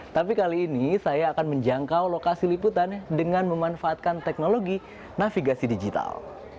tapi kali ini saya akan menjangkau lokasi liputan dengan memanfaatkan teknologi navigasi digital